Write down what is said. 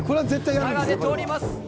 まだ出ております。